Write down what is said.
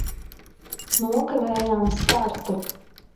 Nokavējām startu!